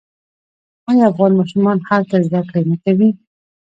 آیا افغان ماشومان هلته زده کړې نه کوي؟